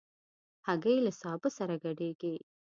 هګۍ له سابه سره ګډېږي.